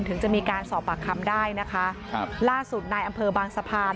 ถึงจะมีการสอบปากคำได้นะคะครับล่าสุดในอำเภอบางสะพาน